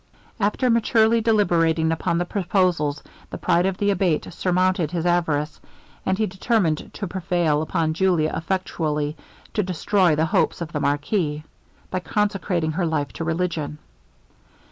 After maturely deliberating upon the proposals, the pride of the Abate surmounted his avarice, and he determined to prevail upon Julia effectually to destroy the hopes of the marquis, by consecrating her life to religion.